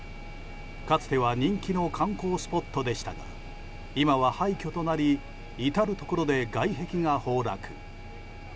かつては人気の観光スポットでしたが今は廃墟となり至るところで外壁が崩落。